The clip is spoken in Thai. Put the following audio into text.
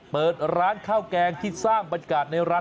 เปิดร้านข้าวแกงที่สร้างบรรยากาศในร้าน